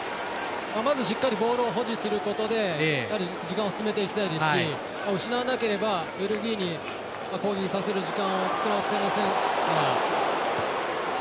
まず、しっかりボールを保持することで時間を進めていきたいですし失わなければベルギーに攻撃させる時間を作らせませんから。